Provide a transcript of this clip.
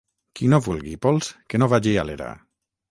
Qui no vulgui pols que no vagi a l'era.